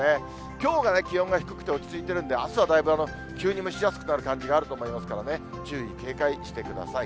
きょうが気温が低くて落ち着いてるんで、あすはだいぶ急に蒸し暑くなる感じがあると思いますからね、注意、警戒してください。